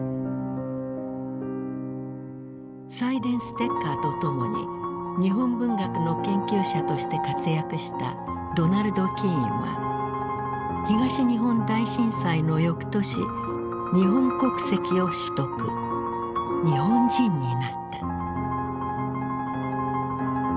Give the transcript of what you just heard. サイデンステッカーと共に日本文学の研究者として活躍したドナルド・キーンは東日本大震災の翌年日本国籍を取得日本人になった。